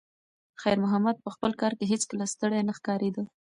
خیر محمد په خپل کار کې هیڅکله ستړی نه ښکارېده.